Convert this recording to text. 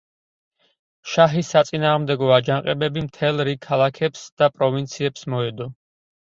შაჰის საწინააღმდეგო აჯანყებები მთელ რიგ ქალაქებს და პროვინციებს მოედო.